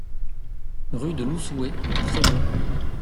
Rue de l'Oussouet à Trébons